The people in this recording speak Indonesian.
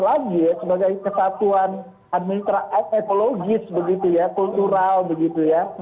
lagi ya sebagai kesatuan ekologis begitu ya kultural begitu ya